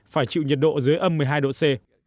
phải chịu nhiệt độ dưới âm một mươi hai độ c